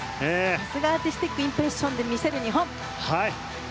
さすがアーティスティックインプレッションで見せる日本。